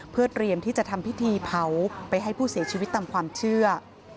เพื่อเตรียมที่จะทำพิธีเผาไปให้ผู้เสียชีวิตตามความเชื่อ